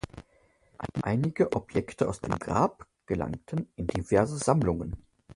Einige Objekte aus dem Grab gelangten in diverse Sammlungen.